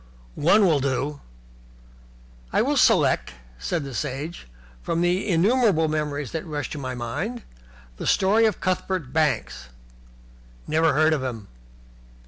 "One will do." "I will select," said the Sage, "from the innumerable memories that rush to my mind, the story of Cuthbert Banks." "Never heard of him."